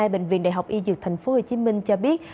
bệnh viện đại học y dược tp hcm cho biết